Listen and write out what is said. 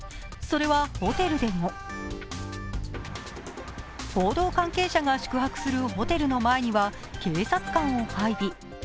それはホテルでも報道関係者が宿泊するホテルの前には警察官を配備。